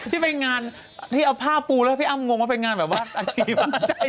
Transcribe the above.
ที่ไปงานที่เอาผ้าปูแล้วพี่อ้ำงงว่าเป็นงานแบบว่าอาชีพ